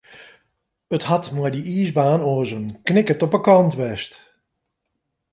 It hat mei dy iisbaan oars in knikkert op de kant west.